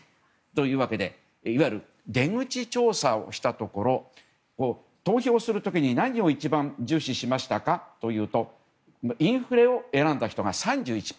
というわけでいわゆる出口調査をしたところ投票する時に何を一番重視しましたかというとインフレを選んだ人が３１％。